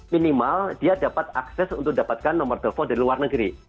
minimal dia dapat akses untuk dapatkan nomor telepon dari luar negeri